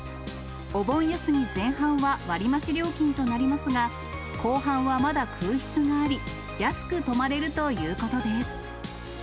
お盆休み前半は割り増し料金となりますが、後半はまだ空室があり、安く泊まれるということです。